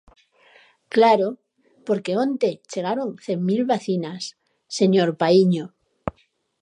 Claro, porque onte chegaron cen mil vacinas, señor Paíño.